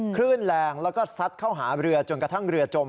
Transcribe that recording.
คลื่นแรงแล้วก็ซัดเข้าหาเรือจนกระทั่งเรือจม